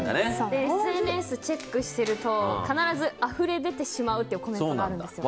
ＳＮＳをチェックすると必ずあふれ出てしまうっていうコメントがあるんですよ。